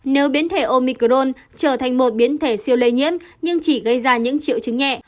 nếu biến thể omicron trở thành một biến thể siêu lây nhiễm nhưng chỉ gây ra những triệu chứng nhẹ